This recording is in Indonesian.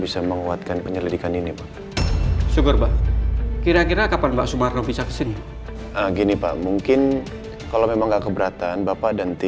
sampai jumpa di video selanjutnya